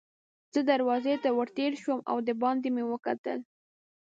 زه دروازې ته ور تېر شوم او دباندې مې وکتل.